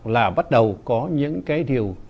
là bắt đầu có những cái điều